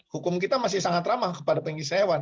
hukum kita masih sangat ramah kepada pengisi hewan